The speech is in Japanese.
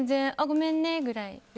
ごめんねぐらい。